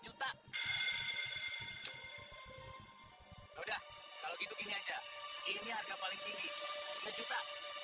udah kalau gitu gini aja ini harga paling tinggi dua juta